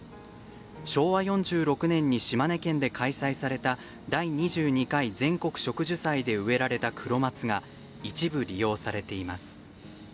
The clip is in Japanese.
昭和４６年に島根県で開催された「第２２回全国植樹祭」で植えられたクロマツが一部利用されています。